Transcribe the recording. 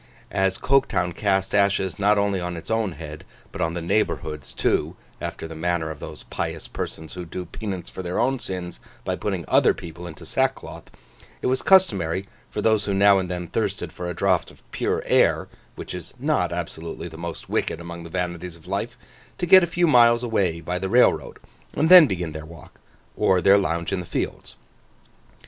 As Coketown cast ashes not only on its own head but on the neighbourhood's too—after the manner of those pious persons who do penance for their own sins by putting other people into sackcloth—it was customary for those who now and then thirsted for a draught of pure air, which is not absolutely the most wicked among the vanities of life, to get a few miles away by the railroad, and then begin their walk, or their lounge in the fields.